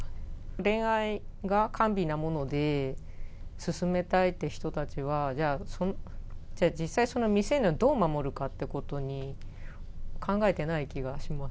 恋愛が甘美なもので、進めたいっていう人たちは、じゃあ、実際、未成年をどう守るかってことに、考えてない気がします。